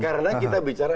karena kita bicara